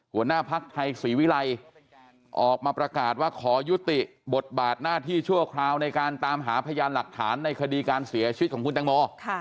หัวหน้าภักดิ์ไทยศรีวิรัยออกมาประกาศว่าขอยุติบทบาทหน้าที่ชั่วคราวในการตามหาพยานหลักฐานในคดีการเสียชีวิตของคุณตังโม